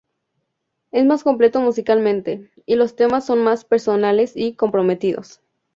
Es más completo musicalmente, y los temas son más personales y comprometidos.